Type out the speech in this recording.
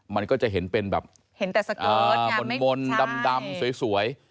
มันก็จะเห็นเป็นแบบเห็นแต่สกอร์มนต์ดำสวย